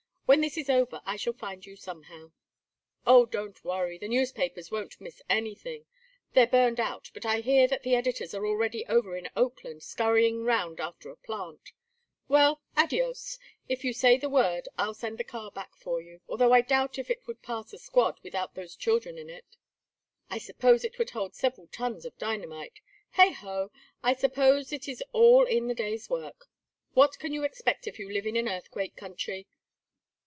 When this is over I shall find you somehow." "Oh, don't worry. The newspapers won't miss anything. They're burned out, but I hear that the editors are already over in Oakland scurrying round after a plant. Well, adios. If you say the word I'll send the car back for you although I doubt if it would pass a squad without those children in it. I suppose it would hold several tons of dynamite! Heigh ho, I suppose it is all in the day's work. What can you expect if you live in an earthquake country?"